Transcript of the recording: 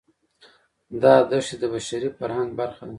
دا دښتې د بشري فرهنګ برخه ده.